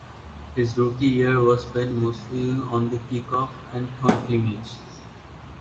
His rookie year was spent mostly on the kickoff and punt units.